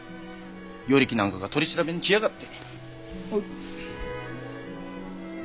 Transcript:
与力なんかが取り調べに来やがって。